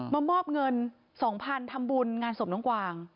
มามอบเงิน๒๐๐๐ทำบุญงานศพน้องกวาง